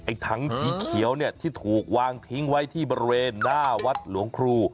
ถังสีเขียวเนี่ยที่ถูกวางทิ้งไว้ที่บริเวณหน้าวัดหลวงครู